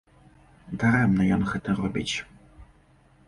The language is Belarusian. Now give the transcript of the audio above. Дарэмна ён гэта робіць.